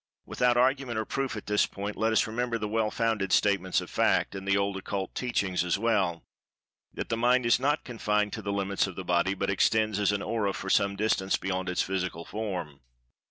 Without argument, or proof at this point, let us remember the well founded statements of fact—and the old occult teachings as well—that the Mind is not confined to the limits of the body, but extends as an "Aura" for some distance beyond the physical form.